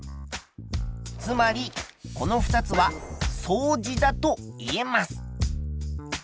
つまりこの２つは相似だといえます。